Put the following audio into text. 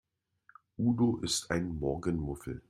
Udo ist ein Morgenmuffel.